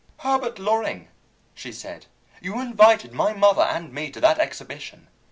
"Herbert Loring," she said, "you invited my mother and me to that exhibition.